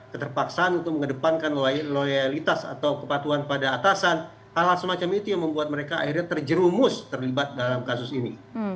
keterpaksaan untuk mengedepankan loyalitas atau kepatuhan pada atasan hal semacam itu yang membuat mereka akhirnya terjerumus terlibat dalam kasus ini